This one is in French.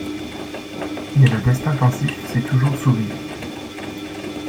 Mais le destin pensif s'est toujours souvenu